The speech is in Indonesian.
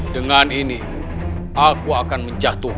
dengan ini aku akan menjatuh